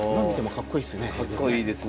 かっこいいですね。